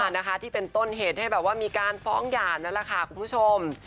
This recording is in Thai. นะคะที่เป็นต้นเหตุให้แบบว่ามีการฟ้องหย่านั่นแหละค่ะคุณผู้ชม